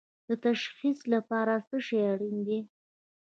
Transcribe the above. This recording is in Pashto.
د تشخیص لپاره څه شی اړین دي؟